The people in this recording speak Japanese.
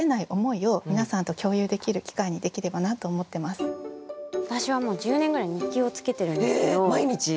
今日はそんな私はもう１０年ぐらい日記をつけてるんですけど。